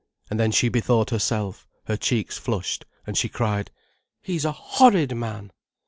And then she bethought herself, her cheeks flushed, and she cried: "He's a horrid man."